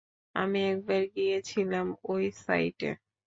আমি একবার গিয়েছিলাম অই সাইটে।